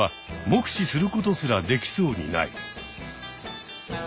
目視することすらできそうにない。